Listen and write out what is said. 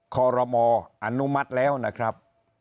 คอรมออนุมัติแล้วนะครับ